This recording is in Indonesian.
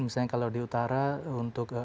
misalnya kalau di utara untuk